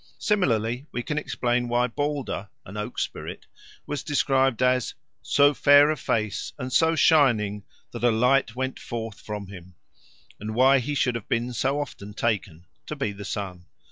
Similarly we can explain why Balder, an oak spirit, was described as "so fair of face and so shining that a light went forth from him," and why he should have been so often taken to be the sun.